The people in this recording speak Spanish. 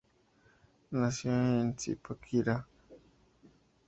Nació en Zipaquirá.